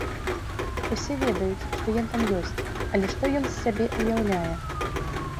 Усе ведаюць, што ён там ёсць, але што ён з сябе ўяўляе?